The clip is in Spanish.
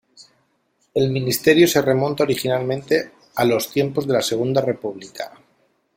El ministerio se remonta originalmente a los tiempos de la Segunda República.